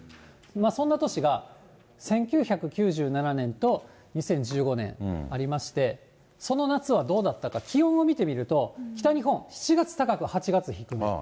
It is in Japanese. そんな年が、１９９７年と２０１５年ありまして、その夏はどうだったか、気温を見てみると、北日本、７月高く８月低め。